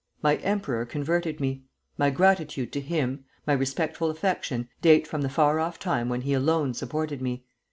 My emperor converted me. My gratitude to him, my respectful affection, date from the far off time when he alone supported me.